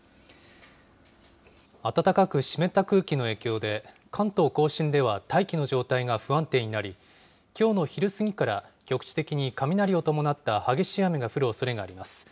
暖かく湿った空気の影響で、関東甲信では大気の状態が不安定になり、きょうの昼過ぎから、局地的に雷を伴った激しい雨が降るおそれがあります。